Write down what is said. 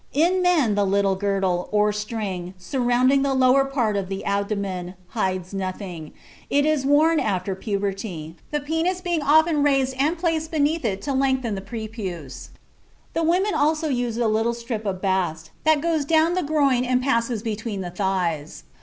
In men the little girdle, or string, surrounding the lower part of the abdomen, hides nothing; it is worn after puberty, the penis being often raised and placed beneath it to lengthen the prepuce. The women also use a little strip of bast that goes down the groin and passes between the thighs.